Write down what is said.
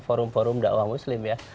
forum forum dakwah muslim ya